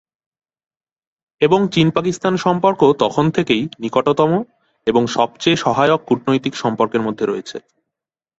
এবং চীন-পাকিস্তান সম্পর্ক তখন থেকেই নিকটতম এবং সবচেয়ে সহায়ক কূটনৈতিক সম্পর্কের মধ্যে রয়েছে।